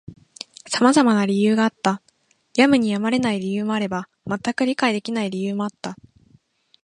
様々な理由があった。やむにやまれない理由もあれば、全く理解できない理由もあった。